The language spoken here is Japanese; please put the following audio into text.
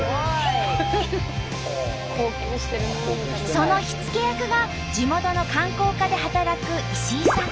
その火付け役が地元の観光課で働く石井さん。